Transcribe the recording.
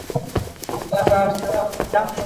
তুমি একা আসতে পারতে, মা।